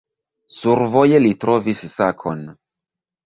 Survoje li trovis sakon.